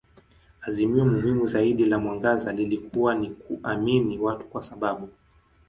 Azimio muhimu zaidi la mwangaza lilikuwa ni kuamini watu kwa sababu.